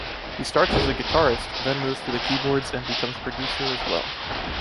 He starts as a guitarist, then moves to the keyboards and becomes producer as well.